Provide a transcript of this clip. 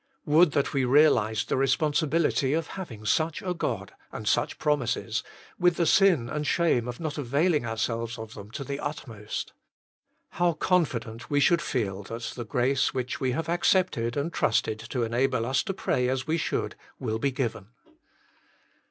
Would that we realised the responsibility of having such a God, and such promises, with the sin and shame of not availing ourselves of them to the utmost. How confident we should feel that the grace, which we have accepted and trusted to enable us to pray as we should, will be given.